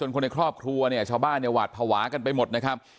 คนในครอบครัวเนี่ยชาวบ้านเนี่ยหวาดภาวะกันไปหมดนะครับ